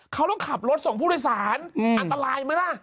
เขาต้องขับรถส่งผู้โดยสารอันตรายไหมล่ะ